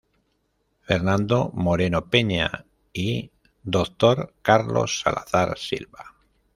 Fernando Moreno Peña y Dr. Carlos Salazar Silva.